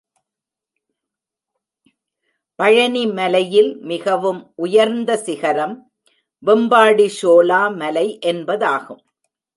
பழனி மலையில் மிகவும் உயர்ந்த சிகரம் வெம்பாடி ஷோலா மலை என்பதாகும்.